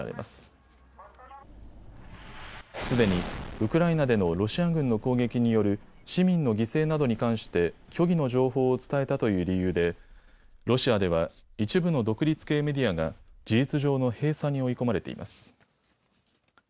すでにウクライナでのロシア軍の攻撃による市民の犠牲などに関して虚偽の情報を伝えたという理由でロシアでは一部の独立系メディアが事実上の閉鎖に追い込まれています。